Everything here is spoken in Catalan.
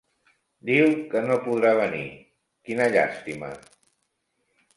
Diu que no podrà venir: quina llàstima!